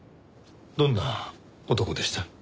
どんな男でした？